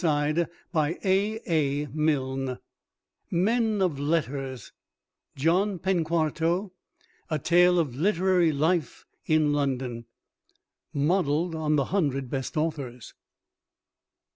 II. MEN OF LETTERS MEN OF LETTERS JOHN PENQUARTO A TALE OF LITERARY LIFE IN LONDON (Modelled on the hundred best Authors.)